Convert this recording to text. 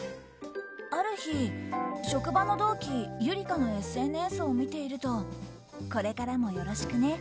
ある日、職場の同期ユリカのＳＮＳを見ていると「これからもよろしくね」